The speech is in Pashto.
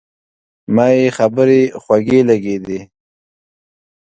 ما یې خبرې خوږې لګېدې.